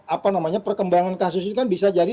apa namanya perkembangan kasus ini kan bisa jadi